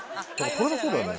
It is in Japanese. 取れなそうだよね